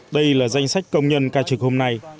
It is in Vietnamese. đây là danh sách công nhân ca trực hôm nay